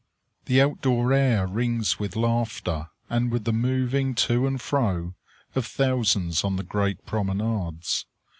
The out door air rings with laughter, and with the moving to and fro of thousands on the great promenades.